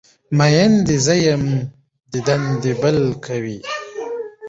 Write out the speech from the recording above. مین دی زه یم دیدن دی بل کوی